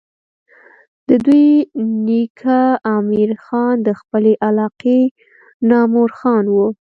د دوي نيکه امير خان د خپلې علاقې نامور خان وو